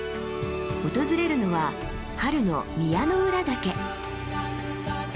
訪れるのは春の宮之浦岳。